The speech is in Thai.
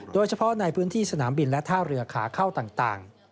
โดยเฉพาะในพื้นที่สนามบินและท่าเรือขาเข้าต่าง